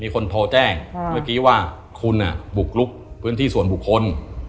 คนโทรแจ้งเมื่อกี้ว่าคุณบุกลุกพื้นที่ส่วนบุคคล